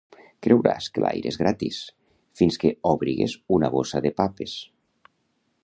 Creuràs que l'aire és gratis fins que òbrigues una bossa de papes...